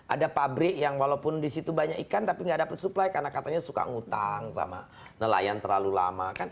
ada pabrik yang walaupun di situ banyak ikan tapi nggak dapat suplai karena katanya suka ngutang sama nelayan terlalu lama kan